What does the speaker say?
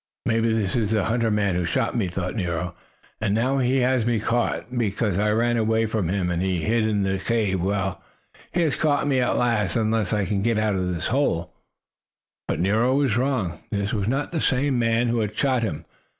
"Maybe that is the hunter man who shot me," thought Nero; "and now he has caught me because I ran away from him and hid in the cave. Well, he has caught me at last, unless I can get out of this hole." But Nero was wrong. This was not the same man who had shot him.